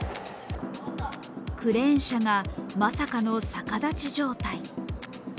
クレーン車が、まさかの逆立ち状態。